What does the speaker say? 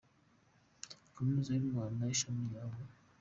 Kaminuza y’u Rwanda Ishami rya Huye